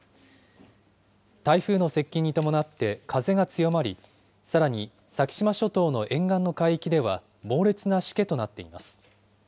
台風の接近に伴って、風が強まり、さらに先島諸島の沿岸の海域では猛烈なしけとなっています。